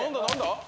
何だ？